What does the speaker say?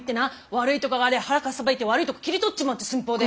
悪いとこがありゃ腹かっさばいて悪いとこ切り取っちまうって寸法で。